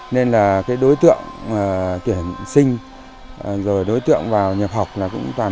nên là cái đối tượng tuyển sinh rồi đối tượng vào nhập học là cũng toàn